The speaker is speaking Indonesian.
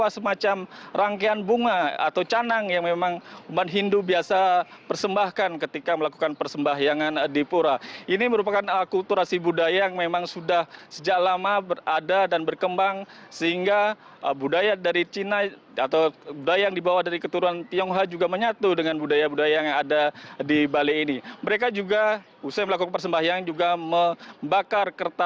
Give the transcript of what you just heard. sampai jumpa di video selanjutnya